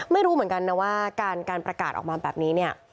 ไม่รู้เหมือนกันนะว่าการประกาศออกมาแบบนี้เนี่ย